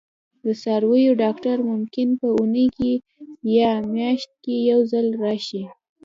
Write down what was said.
د څارویو ډاکټر ممکن په اونۍ یا میاشت کې یو ځل راشي